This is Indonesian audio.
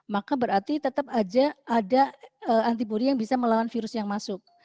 maka berarti tetap saja ada antibody yang bisa melawan virus yang masuk